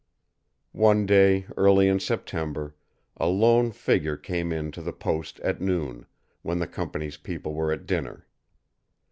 One day early in September a lone figure came in to the post at noon, when the company people were at dinner.